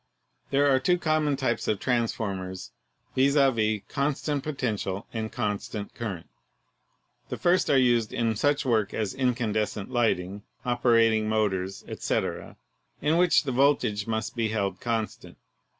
There are two common types of transformers, viz., con stant potential and constant current. The first are used in such work as incandescent lighting, operating motors, etc., in which the voltage must be held constant.